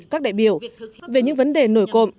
các đại biểu về những vấn đề nổi cộm